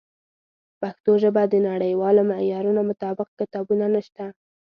په پښتو ژبه د نړیوالو معیارونو مطابق کتابونه نشته.